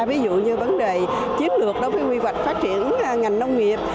ví dụ như vấn đề chiến lược đối với quy hoạch phát triển ngành nông nghiệp